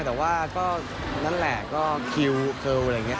แต่ว่าก็นั่นแหละก็คิวอะไรอย่างนี้